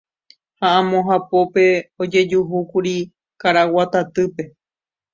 Ha amo hapópe ojejuhúkuri karaguatatýpe.